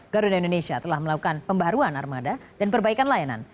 garuda indonesia telah melakukan pembaruan armada dan perbaikan layanan